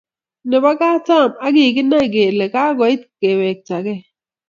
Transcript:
Nebo katam ak kikinai kele kakoit kewektakei